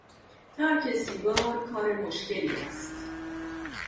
ترک سیگار کار مشکلی است.